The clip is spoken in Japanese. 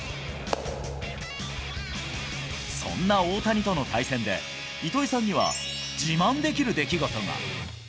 そんな大谷との対戦で、糸井さんには自慢できる出来事が。